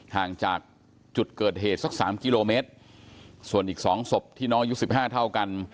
ห่างจากจุดเกิดเหตุสักสามกิโลเมตรส่วนอีกสองศพที่น้องอายุสิบห้าเท่ากัน